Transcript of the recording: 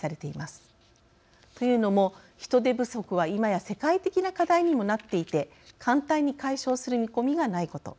というのも人手不足は今や世界的な課題にもなっていて簡単に解消する見込みがないこと。